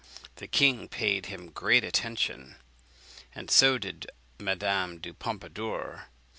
The king paid him great attention, and so did Madame du Pompadour.